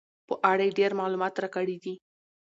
په اړه یې ډېر معلومات راکړي دي.